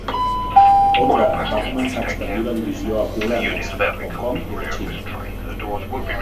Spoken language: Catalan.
Honda va començar a expandir la divisió Acura a Mèxic, Hong Kong i la Xina.